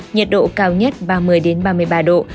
nhiệt độ cao nhất ba mươi ba mươi ba độ